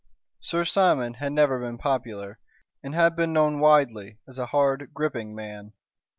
Sir Simon had never been popular, and had been known widely as a hard, gripping man.